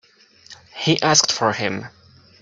He asked for him.